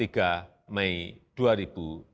pada senin dua puluh tiga mei dua ribu dua puluh dua